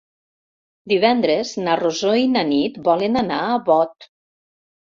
Divendres na Rosó i na Nit volen anar a Bot.